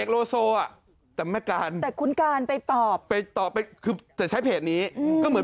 แล้วที่ผ่านมาผมตามเพจพี่เสกอยู่